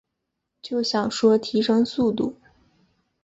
就想说提升速度